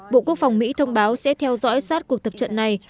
bộ quốc phòng mỹ thông báo sẽ theo dõi sát cuộc tập trận này